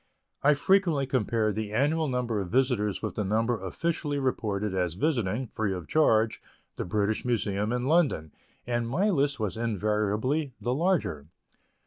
I frequently compared the annual number of visitors with the number officially reported as visiting (free of charge), the British Museum in London, and my list was invariably the larger.